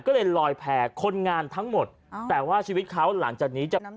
ก็เลยลอยแผ่คนงานทั้งหมดอ่าแต่ว่าชีวิตเขาหลังจากนี้จะ